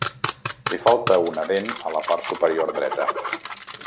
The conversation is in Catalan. Li falta una dent a la part superior dreta.